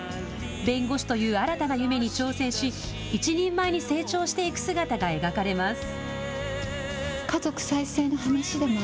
弁護士という新たな夢に挑戦し一人前に成長していく姿が描かれます。